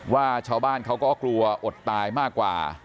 ว่าชาวบ้านเขาก็กลัวอดตายมากกว่า